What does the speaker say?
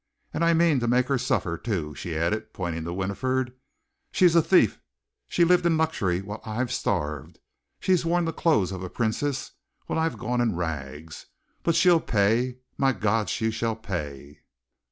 And I mean to make her suffer, too!" she added, pointing to Winifred. "She's a thief! She's lived in luxury while I've starved; she's worn the clothes of a princess while I've gone in rags! But she shall pay! My God, she shall pay!"